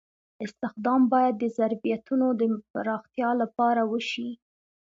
استخدام باید د ظرفیتونو د پراختیا لپاره وشي.